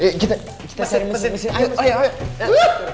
kita seri mesin mesin